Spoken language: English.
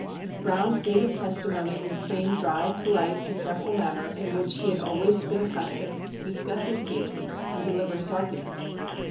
] Browne gave his testimony in the same dry, polite and careful manner in which he had always been accustomed to discuss his cases and deliver his arguments.